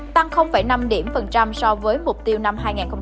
tăng năm điểm phần trăm so với mục tiêu năm hai nghìn hai mươi